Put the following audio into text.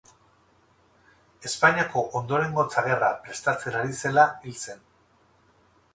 Espainiako Ondorengotza Gerra prestatzen ari zela hil zen.